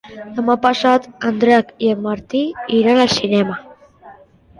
Demà passat en Drac i en Martí iran al cinema.